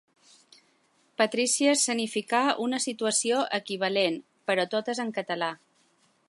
Patrícia escenificà una situació equivalent però tot és en català.